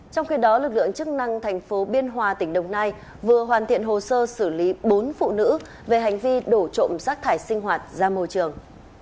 trong khi đó lực lượng chức năng thành phố biên hòa tỉnh đồng nai vừa hoàn thiện hồ sơ xử lý bốn phụ nữ về hành vi đổ trộm rác thải sinh hoạt ra môi trường